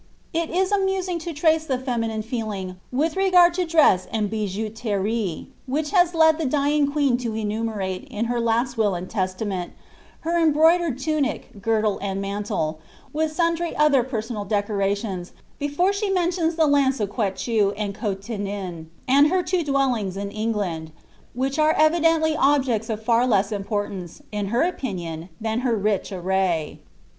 ft is aiaasine lo tnce the reminiiie feeling with regard to dress and hijouterie, which has led the dying queen to enumerate, in her last will •nd teetamenL, her embroidered tunic, girdle, and mantle, with sundry othej personal decorations, before she mentions the lands of Quetchou vid Cotentin, and her two dwellings in England ; which are evidently objecu of for less importance, in her opinion, than her rich amy.